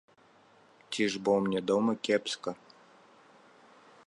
Ці ж бо мне дома кепска?